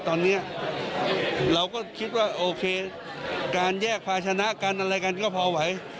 ตอนนี้เราก็คิดว่าโอเคการแยกภาชนะกันอะไรกันก็พอไหว